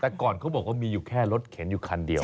แต่ก่อนเขาบอกว่ามีอยู่แค่รถเข็นอยู่คันเดียว